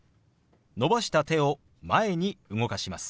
伸ばした手を前に動かします。